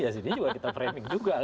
ya di sini juga kita framing juga